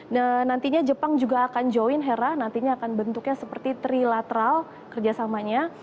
nah nantinya jepang juga akan join hera nantinya akan bentuknya seperti trilateral kerjasamanya